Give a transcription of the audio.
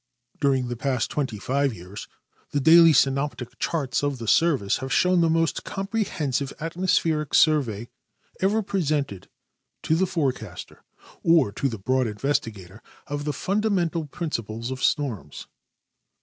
During the past twenty five years the daily synoptic charts of the service have shown tliemost comprehen sive atmospheric survey ever presented to the forecaster or to the broad investigator of the fundamental principles of storms.